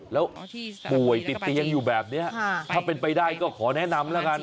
แล้วป่วยติดเตียงอยู่แบบนี้ถ้าเป็นไปได้ก็ขอแนะนำแล้วกัน